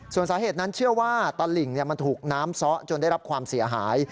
ส่วนสาเหตุนั้นเชื่อว่าตลิ่งมันถูกน้ำซ้อจนได้รับความเสียหาย